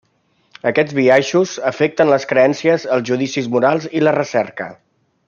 Aquests biaixos afecten les creences, els judicis morals i la recerca.